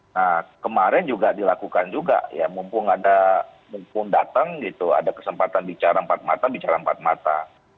nah kemarin juga dilakukan juga ya mumpung ada mumpung datang gitu ada kesempatan bicara empat mata bicara empat mata